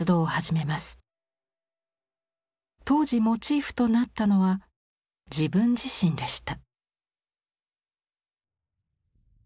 当時モチーフとなったのは自分自身でした。